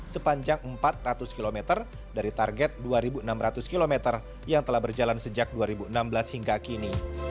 sepanjang empat ratus km dari target dua enam ratus km yang telah berjalan sejak dua ribu enam belas hingga kini